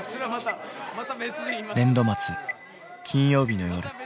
年度末金曜日の夜。